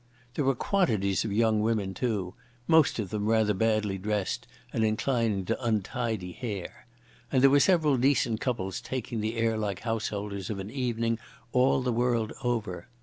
There were quantities of young women, too, most of them rather badly dressed and inclining to untidy hair. And there were several decent couples taking the air like house holders of an evening all the world over.